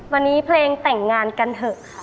วันนี้เพลงแต่งงานกันเถอะค่ะ